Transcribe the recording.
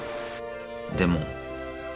［でも］